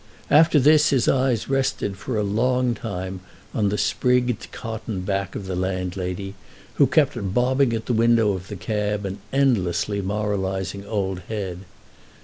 After this his eyes rested for a long time on the sprigged cotton back of the landlady, who kept bobbing at the window of the cab an endlessly moralising old head.